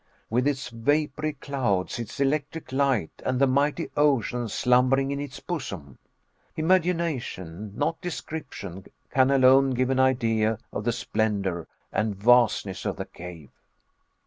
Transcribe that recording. with its vapory clouds, its electric light, and the mighty ocean slumbering in its bosom! Imagination, not description, can alone give an idea of the splendor and vastness of the cave.